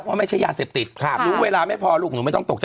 ว่ามัยใช้ยานเสพติดนะเวลาไม่พอหนูไม่ต้องตกใจ